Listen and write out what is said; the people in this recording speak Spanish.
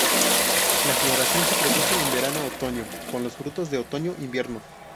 La floración se produce en verano-otoño; con los frutos de otoño-invierno.